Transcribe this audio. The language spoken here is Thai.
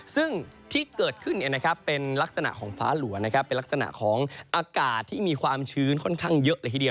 ซึ่งที่เกิดขึ้นเป็นลักษณะของฟ้าหลัวเป็นลักษณะของอากาศที่มีความชื้นค่อนข้างเยอะเลยทีเดียว